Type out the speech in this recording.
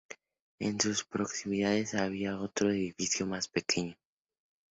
En sus proximidades había otro edificio más pequeño.